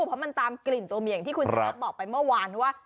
เพราะมันตามกลิ่นตัวเหมียงที่คุณชนะบอกไปเมื่อวานว่า